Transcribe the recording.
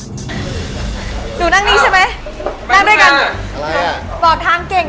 หนูนั่งนี่ใช่มั้ยนั่งด้วยกันบอกทางเก่งหนูบอกนะไอ้พี่ฟ้า